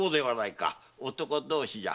男同士じゃ。